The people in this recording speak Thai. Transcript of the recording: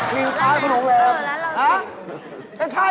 ทิ้งพาร์คว่าโฮแนม